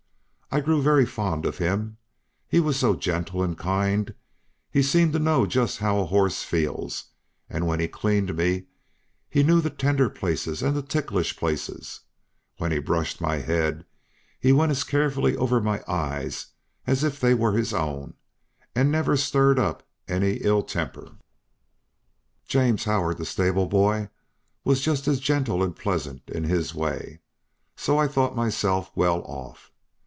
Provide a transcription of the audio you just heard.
I grew very fond of him, he was so gentle and kind; he seemed to know just how a horse feels, and when he cleaned me he knew the tender places and the ticklish places; when he brushed my head, he went as carefully over my eyes as if they were his own, and never stirred up any ill temper. James Howard, the stable boy, was just as gentle and pleasant in his way, so I thought myself well off.